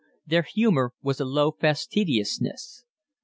Their humour was a low facetiousness.